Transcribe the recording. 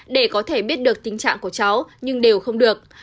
để có thể biết được tình trạng của cháu nhưng đều không được